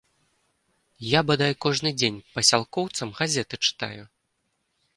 Я бадай кожны дзень пасялкоўцам газеты чытаю.